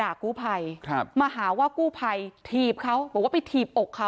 เดี๋ยวไปดูเหตุการณ์กันก่อนนะคะ